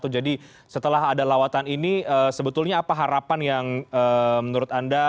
jadi setelah ada lawatan ini sebetulnya apa harapan yang menurut anda